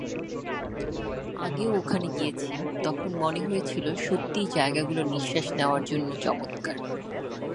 আগেও ওখানে গিয়েছি, তখন মনে হয়েছিল সত্যিই জায়গাগুলো নিঃশ্বাস নেওয়ার জন্য চমৎকার।